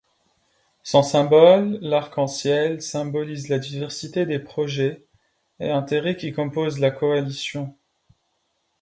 Son symbole, l'arc-en-ciel, symbolise la diversité des projets et intérêts qui composent la coalition.